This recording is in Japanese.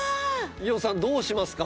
伊代さんどうしますか？